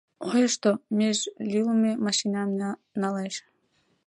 Ойышто, меж лӱлмӧ машинам налеш.